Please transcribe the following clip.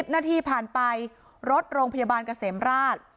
นาทีผ่านไปรถโรงพยาบาลเกษมราช